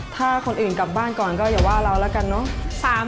ถ้าคนอื่นกลับบ้านก่อนก็อย่าว่าเราแล้วกันเนอะ